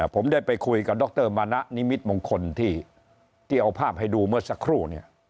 ผมได้ไปคุยกับดรมานะนิมิตมงคลที่เอาภาพให้ดูเมื่อสักครู่เนี่ย